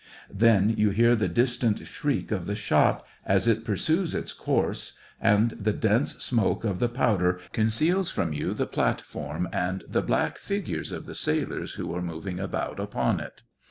Then you hear the distant shriek of the shot as it pursues its course, and the dense smoke of the powder conceals from you the platform and the black figures of the sailors who are moving about upon it.